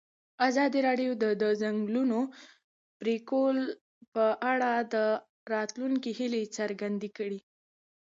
ازادي راډیو د د ځنګلونو پرېکول په اړه د راتلونکي هیلې څرګندې کړې.